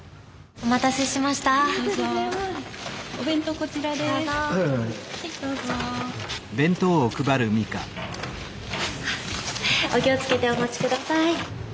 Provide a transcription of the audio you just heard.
お気を付けてお持ちください。